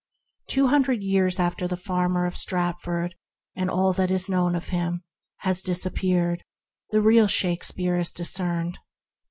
Two hundred years after the farmer of Stratford— and all that is known of him— has disappeared the real Shakes peare is discerned.